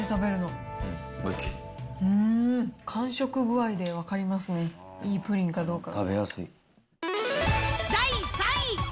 完食具合で分かりますね、いいプリンかどうかが。